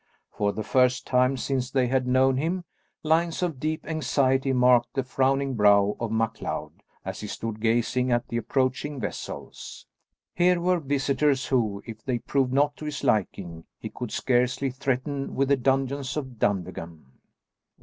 For the first time since they had known him, lines of deep anxiety marked the frowning brow of MacLeod as he stood gazing at the approaching vessels. Here were visitors who, if they proved not to his liking, he could scarcely threaten with the dungeons of Dunvegan.